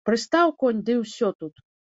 Прыстаў конь, ды ўсё тут.